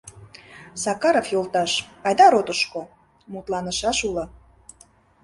Сакаров йолташ, айда ротышко, мутланышаш уло.